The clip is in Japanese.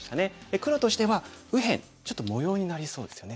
黒としては右辺ちょっと模様になりそうですよね。